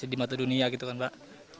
di mata dunia gitu kan mbak